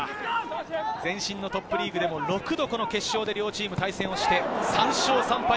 前身のトップリーグでも６度決勝で両チームが対戦をして３勝３敗。